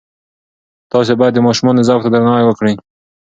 تاسې باید د ماشومانو ذوق ته درناوی وکړئ.